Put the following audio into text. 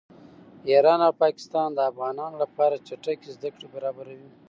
ایران او پاکستان د افغانانو لپاره چټکې زده کړې برابروي